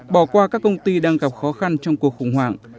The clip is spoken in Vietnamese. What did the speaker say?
bỏ qua các công ty đang gặp khó khăn trong cuộc khủng hoảng